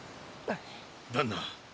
旦那。